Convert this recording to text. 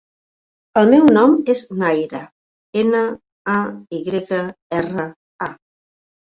El meu nom és Nayra: ena, a, i grega, erra, a.